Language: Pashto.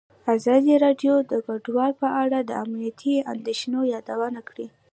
ازادي راډیو د کډوال په اړه د امنیتي اندېښنو یادونه کړې.